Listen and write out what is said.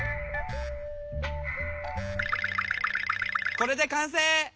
これで完成！